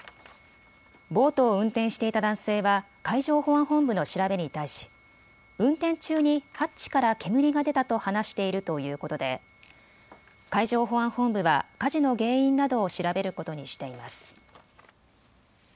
ボートを運転していた男性は海上保安本部の調べに対し運転中にハッチから煙が出たと話しているということで海上保安本部は火事の原因などを調べることにしています。